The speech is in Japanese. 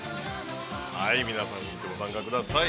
◆皆さん奮ってご参加ください。